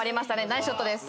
ナイスショットです。